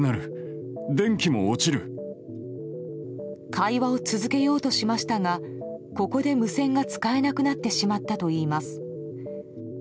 会話を続けようとしましたがここで無線が使えなくなってしまったといいます。